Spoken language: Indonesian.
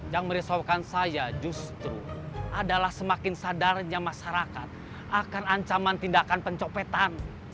yang merisaukan saya justru adalah semakin sadarnya masyarakat akan ancaman tindakan pencopetan